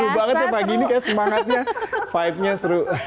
seru banget ya pagi ini kayak semangatnya vibe nya seru